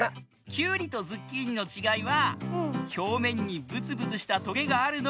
キュウリとズッキーニのちがいはひょうめんにブツブツしたトゲがあるのがキュウリ。